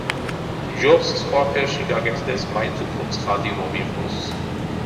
ჯობს სხვა ფერში გაკეთდეს მაინც უფრო ცხადი რომ იყოს.